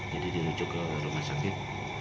jadi dirujuk ke rumah sakit